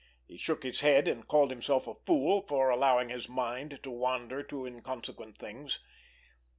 He shook his head, and called himself a fool for allowing his mind to wander to inconsequent things.